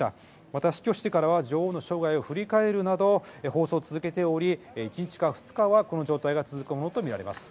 また死去してからは女王の生涯を振り返るなどの放送を続けており、１日か２日はこの状態が続くものと思われます。